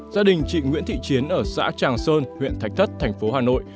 gia đình chị nguyễn thị chiến ở xã tràng sơn huyện thạch thất thành phố hà nội